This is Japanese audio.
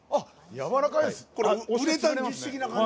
やわらかいです。